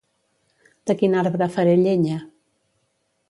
De quin arbre faré llenya?